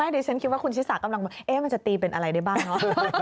ดิฉันคิดว่าคุณชิสากำลังมันจะตีเป็นอะไรได้บ้างเนอะ